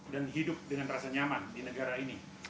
dan hidup dengan rasa nyaman di negara ini